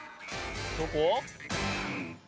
どこ？